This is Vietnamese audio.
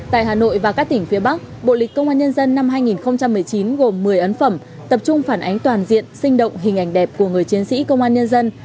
tại hà nội và các tỉnh phía bắc bộ lịch công an nhân dân năm hai nghìn một mươi chín gồm một mươi ấn phẩm tập trung phản ánh toàn diện sinh động hình ảnh đẹp của người chiến sĩ công an nhân dân